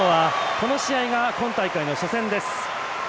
この試合が今大会の初戦です。